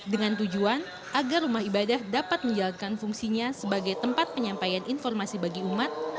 dengan tujuan agar rumah ibadah dapat menjalankan fungsinya sebagai tempat penyampaian informasi bagi umat